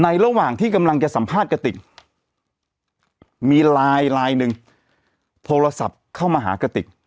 ระหว่างที่กำลังจะสัมภาษณ์กระติกมีไลน์ไลน์หนึ่งโทรศัพท์เข้ามาหากติก